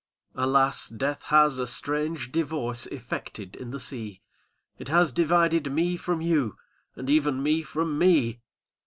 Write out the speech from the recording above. ''Alas! death has a strange divorce Effected in the sea. It has divided me from you, And even me from me!